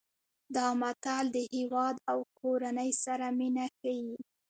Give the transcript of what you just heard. دا متل د هیواد او کورنۍ سره مینه ښيي